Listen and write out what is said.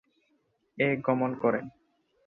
এ গমন করেন।